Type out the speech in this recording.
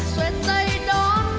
xoé tay đón